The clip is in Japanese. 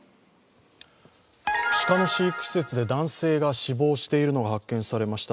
鹿の飼育施設で男性が死亡しているのが発見されました。